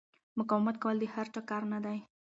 مقاومت کول د هر چا کار نه دی.